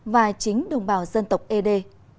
và chính đồng bào dân tộc ế đê